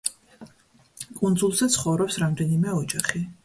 კუნძულზე ცხოვრობს რამდენიმე ოჯახი.